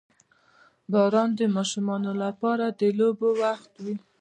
• باران د ماشومانو لپاره د لوبو وخت وي.